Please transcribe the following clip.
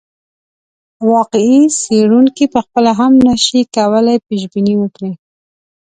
واقعي څېړونکی پخپله هم نه شي کولای پیشبیني وکړي.